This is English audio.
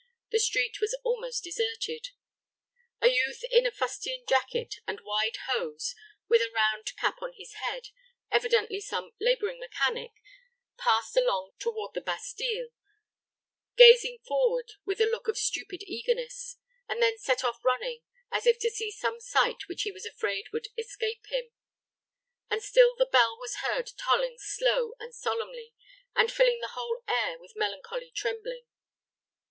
The street was almost deserted. A youth in a fustian jacket and wide hose, with a round cap on his head evidently some laboring mechanic passed along toward the Bastile, gazing forward with a look of stupid eagerness, and then set off running, as if to see some sight which he was afraid would escape him; and still the bell was heard tolling slow and solemnly, and filling the whole air with melancholy trembling.